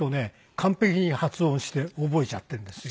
完璧に発音して覚えちゃっているんですよ。